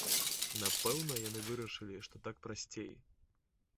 Напэўна, яны вырашылі, што так прасцей.